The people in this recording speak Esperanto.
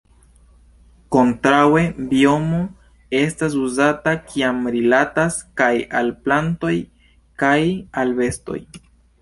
Kontraŭe biomo estas uzata kiam rilatas kaj al plantoj kaj al bestoj.